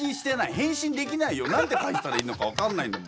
返信できないよなんて返したらいいのか分かんないんだもん。